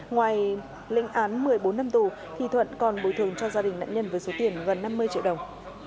ngoài linh án một mươi bốn năm tù thuận còn bồi thường cho gia đình nạn nhân với số tiền gần năm mươi triệu đồng